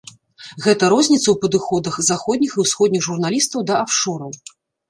Гэта розніца ў падыходах заходніх і ўсходніх журналістаў да афшораў.